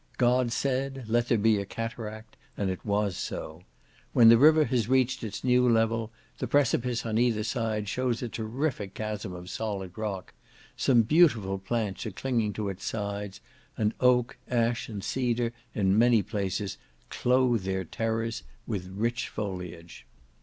God said, let there be a cataract, and it was so. When the river has reached its new level, the precipice on either side shows a terrific chasm of solid rock; some beautiful plants are clinging to its sides, and oak, ash, and cedar, in many places, clothe their terrors with rich foliage.